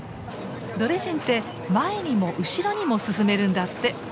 ドレジンって前にも後ろにも進めるんだって。